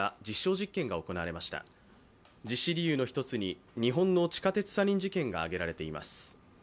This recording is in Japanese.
実施理由の一つに、日本の地下鉄サリン事件が挙げられています。